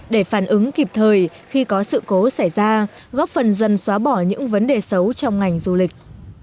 để phản ứng kịp thời khi có sự cố xảy ra góp phần dần xóa bỏ những vấn đề xấu trong ngành du lịch